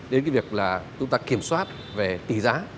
đến cái việc là chúng ta kiểm soát về tỷ giá